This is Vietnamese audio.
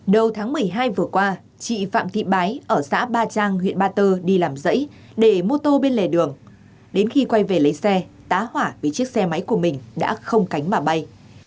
đầu tháng một mươi hai vừa qua chị phạm thị bái ở xã ba trang huyện ba tơ đi làm dãy để mô tô bên lề đường đến khi quay về lấy xe tá hỏa vì chiếc xe máy của mình đã không cánh mà bay